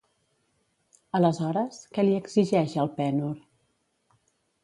Aleshores, què li exigeix Elpènor?